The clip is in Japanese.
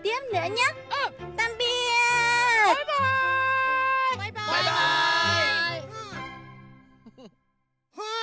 バイバーイ！